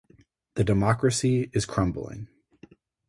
The democracy is crumbling.